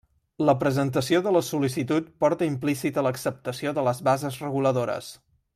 La presentació de la sol·licitud porta implícita l'acceptació de les bases reguladores.